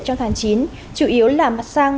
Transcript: trong tháng chín chủ yếu là mặt sang